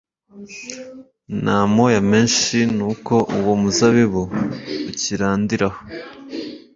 n amoya menshi nuko uwo muzabibu ukirandiraho